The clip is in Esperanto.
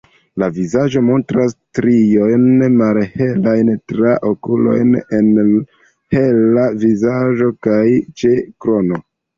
La vizaĝo montras striojn malhelajn tra okuloj -en hela vizaĝo- kaj ĉe krono.